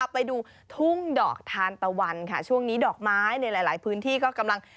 ไปดูทุ่งดอกทานตะวันค่ะช่วงนี้ดอกไม้ในหลายพื้นที่ก็กำลัง